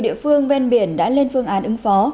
địa phương ven biển đã lên phương án ứng phó